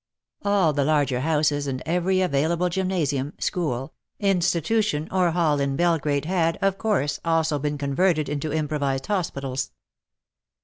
All the larger houses and every available gymnasium (school), institution or hall in Belgrade had, of course, also been converted into improvized hospitals.